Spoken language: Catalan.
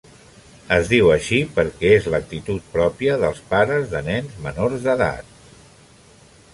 Es diu així perquè és l'actitud pròpia dels pares de nens menors d'edat.